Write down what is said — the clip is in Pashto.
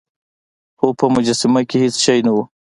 خو په مجسمه کې هیڅ شی نه و.